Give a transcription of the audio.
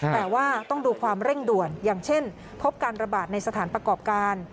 แต่ว่าต้องดูความเร่งด่วนอย่างเช่นพบการระบาดในสถานประกอบการ